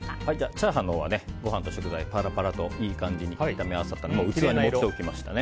チャーハンのほうはご飯と食材、パラパラといい感じに炒め合わさったので器に盛っておきました。